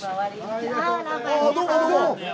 あぁどうもどうも。